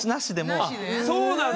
あっそうなんだ。